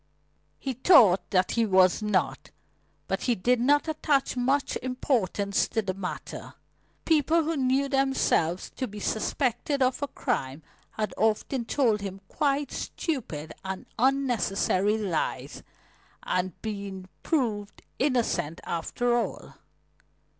He thought that he was not. But he did not attach much importance to the matter. People who knew themselves to be suspected of a crime had often told him quite stupid and unnecessary lies and been proved innocent after all.